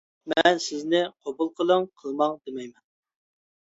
مەن سىزنى قوبۇل قىلىڭ، قىلماڭ دېمەيمەن.